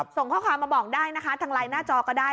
ส่งข้อความมาบอกได้นะคะทางไลน์หน้าจอก็ได้